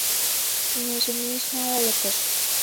Меже мийышна олыкыш